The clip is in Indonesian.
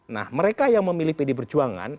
nah mereka yang memilih pdi perjuangan